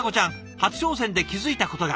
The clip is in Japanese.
初挑戦で気付いたことが。